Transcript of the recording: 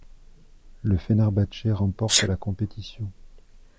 Le Fenerbahçe remporte la compétition.